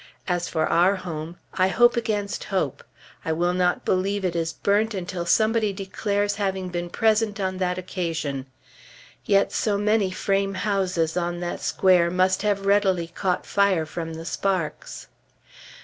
As for our home, I hope against hope. I will not believe it is burnt, until somebody declares having been present on that occasion. Yet so many frame houses on that square must have readily caught fire from the sparks.